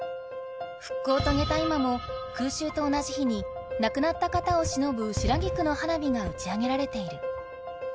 復興を遂げた今も空襲と同じ日に亡くなった方をしのぶ白菊の花火が打ち上げられている。